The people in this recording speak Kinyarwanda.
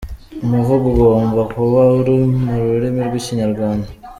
Umuvugo ugomba kuba uri mu rurimi rw’ikinyarwanda.